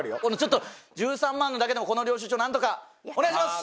１３万のだけでもこの領収書何とかお願いします！